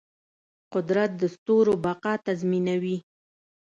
قدرت د ستورو بقا تضمینوي.